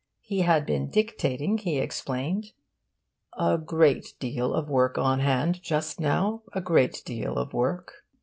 He had been dictating, he explained. 'A great deal of work on hand just now a great deal of work.